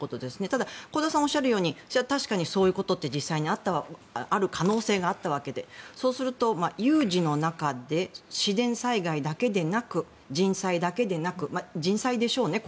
ただ、香田さんがおっしゃるとおり確かにそういうことって実際にある可能性があったわけでそうすると有事の中で自然災害だけでなく人災だけでなくまあ、人災でしょうね。